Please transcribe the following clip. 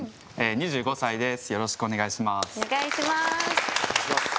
２７歳です。